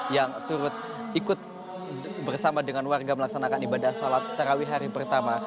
yang turut ikut bersama dengan warga melaksanakan ibadah sholat tarawih hari pertama